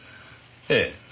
ええ。